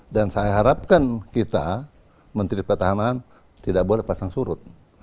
dan saya harapkan kita menteri pertahanan tidak boleh pasang surut